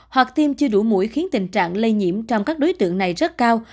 hoặc tiêm chưa đủ mũi khiến tình trạng lây nhiễm trong các đối tượng này rất cao